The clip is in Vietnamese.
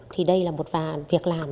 thì đây là một vàn việc làm